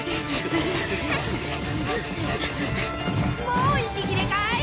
もう息切れかい？